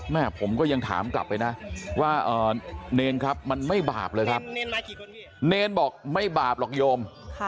แม่ผมก็ยังถามกลับไปนะว่าเนรครับมันไม่บาปเลยครับเนรบอกไม่บาปหรอกโยม